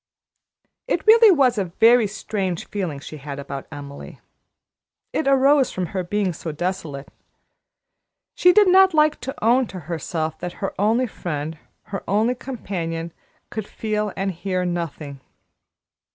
It really was a very strange feeling she had about Emily. It arose from her being so desolate. She did not like to own to herself that her only friend, her only companion, could feel and hear nothing.